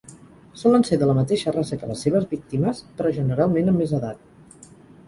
Solen ser de la mateixa raça que les seves víctimes, però generalment amb més edat.